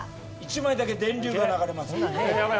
１枚だけ電流が流れます。